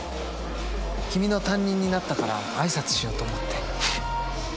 君の担任になったから挨拶しようと思って。